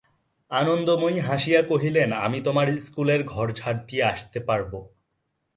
আনন্দময়ী হাসিয়া কহিলেন, আমি তোমাদের ইস্কুলের ঘর ঝাঁট দিয়ে আসতে পারব।